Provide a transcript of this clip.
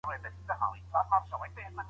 د جرګې غړي د خپل وجدان په رڼا کي پریکړې صادروي.